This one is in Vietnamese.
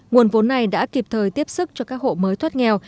nguồn vốn này đã kịp thời tiếp sức cho các hộ mới thoát nghèo